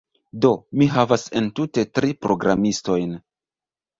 Do, mi havas entute tri programistojn